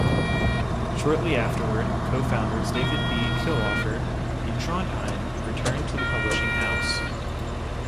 Shortly afterward, co-founders David B., Killoffer, and Trondheim returned to the publishing house.